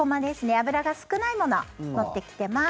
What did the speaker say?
脂が少ないものを持ってきてます。